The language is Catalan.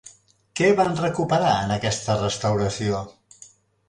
Què van recuperar en aquesta restauració?